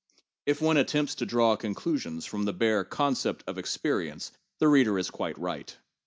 If one attempts to draw conclusions from the bare concept of experience, the reader is quite right.